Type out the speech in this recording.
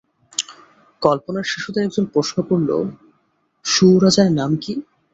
কল্পনার শিশুদের একজন প্রশ্ন করল, সুয়োরাজার নাম কি?